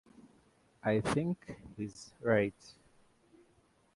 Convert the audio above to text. I think he’s right.